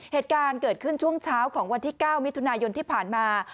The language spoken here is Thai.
เหตุการณ์เกิดขึ้นช่วงเช้าของวันที่๙มิถุนายนที่ผ่านมา